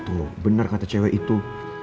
tuh benar kata cewek itu